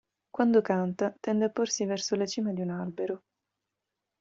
Quando canta, tende a porsi verso la cima di un albero.